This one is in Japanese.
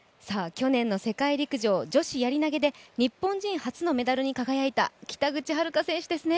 去年の世界陸上、女子やり投で日本人初のメダルに輝いた北口榛花選手ですね。